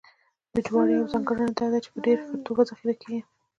د جوارو یوه ځانګړنه دا ده چې په ډېره ښه توګه ذخیره کېږي